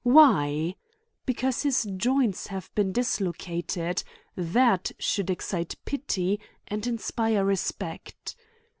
Why ? Because his joints have been dislocated — r that, shouldexcite pity, and inspire respect.